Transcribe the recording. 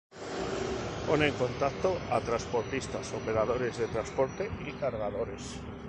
Pone en contacto a transportistas, operadores de transporte y cargadores.